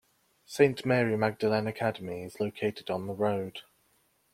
Saint Mary Magdalene Academy is located on the road.